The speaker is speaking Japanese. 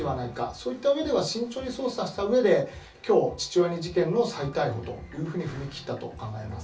そういった上で慎重に捜査した上できょう父親に事件の再逮捕というふうに踏み切ったと考えられます。